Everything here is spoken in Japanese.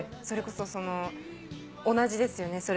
それこそ同じですよね